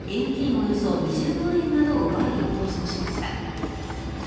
およそ２０万円などを奪い逃走しました。